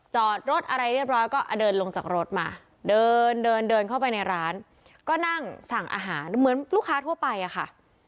จอดรถอะไรเรียบร้อยก็เดินลงจากรถมาเดินเดินเดินเข้าไปในร้านก็นั่งสั่งอาหารเหมือนลูกค้าทั่วไปอะค่ะ